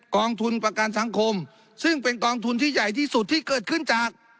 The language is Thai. กองทุนประกันสังคมซึ่งเป็นกองทุนที่ใหญ่ที่สุดที่เกิดขึ้นจาก